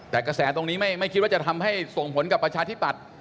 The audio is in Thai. แต่กระแสตรงนี้ไม่คิดว่าจะทำให้ส่งผลกับประชาธิปัตย์